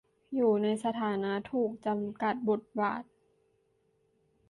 อยู่ในสถานะถูกจำกัดบทบาท